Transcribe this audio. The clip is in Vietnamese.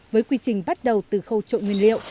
với quy trình bắt đầu từ khâu trộn nguyên liệu